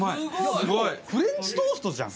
すごい！フレンチトーストじゃん。